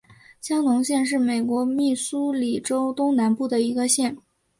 香农县是美国密苏里州东南部的一个县。